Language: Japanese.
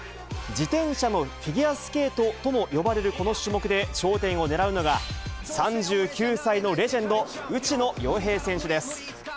自転車のフィギュアスケートとも呼ばれるこの種目で頂点を狙うのが、３９歳のレジェンド、内野洋平選手です。